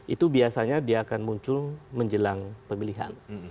itu biasanya dia akan muncul menjelang pemilihan